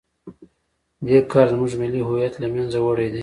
دې کار زموږ ملي هویت له منځه وړی دی.